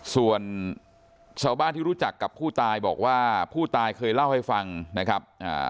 ส่วนชาวบ้านที่รู้จักกับผู้ตายบอกว่าผู้ตายเคยเล่าให้ฟังนะครับอ่า